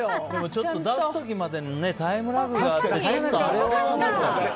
ちょっと出す時までのタイムラグがあって。